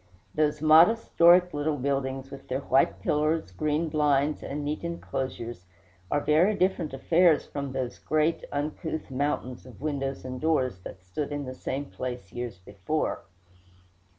Those modest Doric little buildings, with their white pillars, green blinds, and neat inclosures, are very different affairs from those great, uncouth mountains of windows and doors that stood in the same place years before.